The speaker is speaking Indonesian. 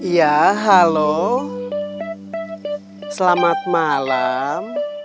ya halo selamat malam